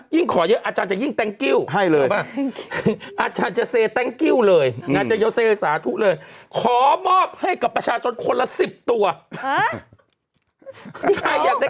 ยิ่งขอเยอะอาจารย์จะยิ่ง